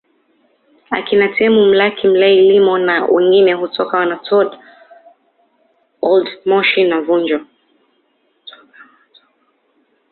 Akina Temu Mlaki Mlay Lyimo na wengine hutoka wanatoka Old Moshi na Vunjo